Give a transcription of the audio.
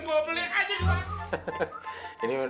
dengan kopelit aja doang